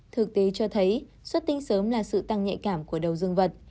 thực tế cho thấy xuất tinh sớm là sự tăng nhạy cảm của đầu dương vật